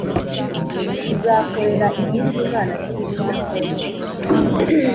uzakorera izindi mana z’ibiti n’amabuye